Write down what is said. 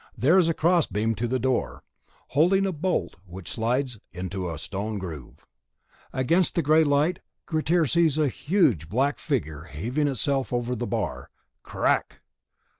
There is a cross beam to the door, holding a bolt which slides into a stone groove. Against the grey light, Grettir sees a huge black figure heaving itself over the bar. Crack!